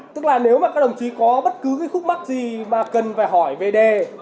tức là nếu mà các đồng chí có bất cứ cái khúc mắt gì bà cần phải hỏi về đề